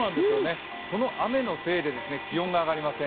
その雨のせいで気温が上がりません。